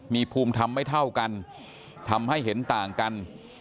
มีภูมิธรรมไม่เท่ากันทำให้เห็นต่างกัน